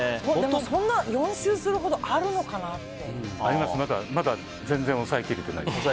そんな４周するほどあるのかなって。